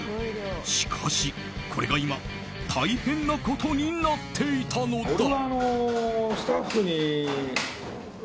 しかし、これが今大変なことになっていたのだ。